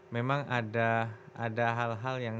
memang ada hal hal yang